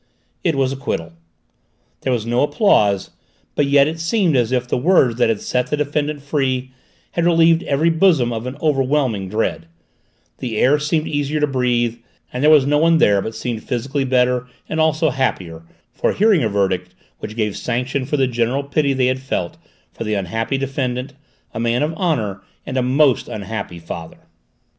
It was acquittal! There was no applause, but yet it seemed as if the words that set the defendant free had relieved every bosom of an overwhelming dread; the air seemed easier to breathe; and there was no one there but seemed physically better and also happier, for hearing a verdict which gave sanction for the general pity they had felt for the unhappy defendant, a man of honour and a most unhappy father!